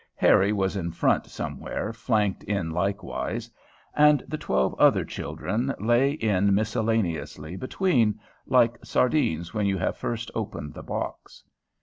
Harry was in front somewhere flanked in likewise, and the twelve other children lay in miscellaneously between, like sardines when you have first opened the box.